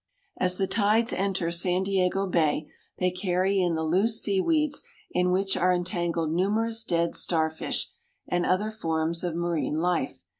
As the tides enter San Diego Bay they carry in the loose seaweeds in which are entangled numerous dead starfish and other forms of marine life.